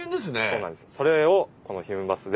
そうなんです。